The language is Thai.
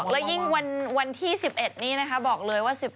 แล้วยิ่งวันที่๑๑นี้นะคะบอกเลยว่า